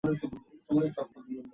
যাইহোক, বাড়িতে স্বাগতম, এস্থার।